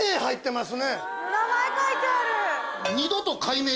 名前書いてある！